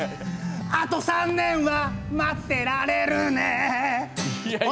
「あと３年は待ってられるね」